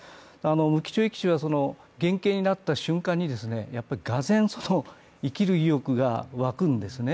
無期懲役囚は減刑になった瞬間にがぜん、生きる意欲が湧くんですね